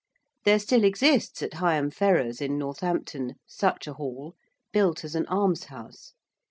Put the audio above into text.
There still exists at Higham Ferrars, in Northampton, such a hall, built as an almshouse.